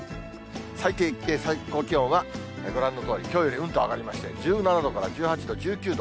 最低気温、最高気温はご覧のとおり、きょうよりうんと上がりまして、１７度から１８度、１９度。